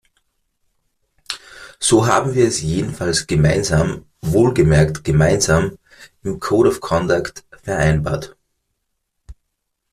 So haben wir es jedenfalls gemeinsam, wohlgemerkt gemeinsam, im code of conduct vereinbart.